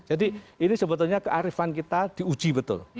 jadi ini sebetulnya kearifan kita diuji betul